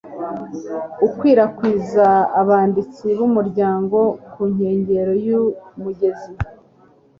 akwirakwiza abanditsi b'umuryango ku nkengero y'umugezi